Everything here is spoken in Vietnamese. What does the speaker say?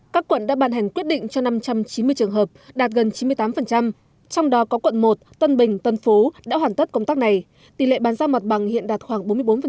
các quận đã ban hành quyết định cho năm trăm chín mươi trường hợp đạt gần chín mươi tám trong đó có quận một tân bình tân phú đã hoàn tất công tác này tỷ lệ bàn giao mặt bằng hiện đạt khoảng bốn mươi bốn